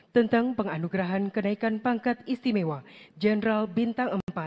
tentang penganugerahan kenaikan pangkat istimewa general bintang empat